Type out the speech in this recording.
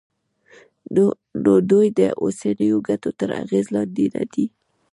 نو دوی د اوسنیو ګټو تر اغېز لاندې ندي.